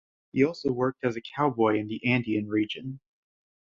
He also worked as a cowboy in the Andean region.